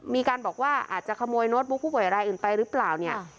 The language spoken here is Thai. มีการบอกว่าอาจจะขโมยโน้ตบุ๊กผู้ป่วยรายอื่นไปหรือเปล่าเนี่ย